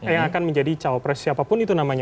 yang akan menjadi cawapres siapapun itu namanya